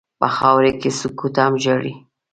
په خاوره کې سکوت هم ژاړي.